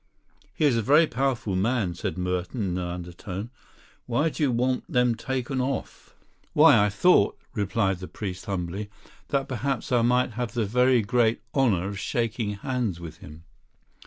"He is a very powerful man," said Merton in an undertone. "Why do you want them taken off?" "Why, I thought," replied the priest humbly, "that perhaps I might have the very great honour of shaking hands with him."